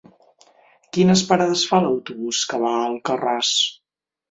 Quines parades fa l'autobús que va a Alcarràs?